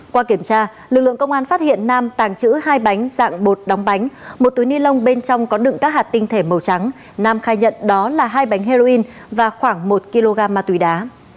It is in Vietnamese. qua kiểm tra lực lượng công an phát hiện nam tàng trữ hai bánh dạng bột đóng bánh một túi ni lông bên trong có đựng các hạt tinh thể màu trắng nam khai nhận đó là hai bánh heroin và khoảng một kg ma túy đá